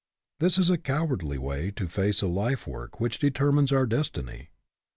This is a cowardly way to face a life work which determines our destiny.